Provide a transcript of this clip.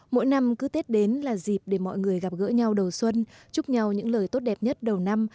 mỗi năm cứ tết đến là dịp để mọi người gặp gỡ nhau đầu xuân chúc nhau những lời tốt đẹp nhất đầu năm